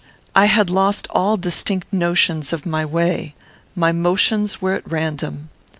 I had lost all distinct notions of my way. My motions were at random.